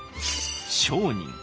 商人。